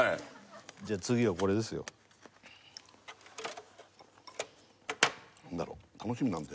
じゃあ次はこれですよ何だろうなやつだよ